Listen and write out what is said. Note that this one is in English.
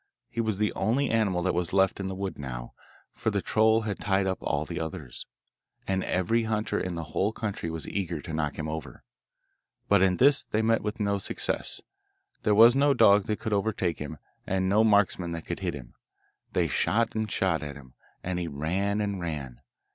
He was the only animal that was left in the wood now, for the troll had tied up all the others, and every hunter in the whole country was eager to knock him over. But in this they met with no success; there was no dog that could overtake him, and no marksman that could hit him. They shot and shot at him, and he ran and ran.